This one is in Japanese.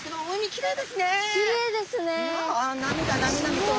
きれいですね。